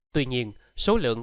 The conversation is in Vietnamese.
tuy nhiên số lượng